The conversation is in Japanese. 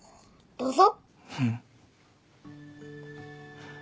どうぞ。